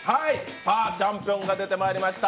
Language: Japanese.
チャンピオンが出てまいりました。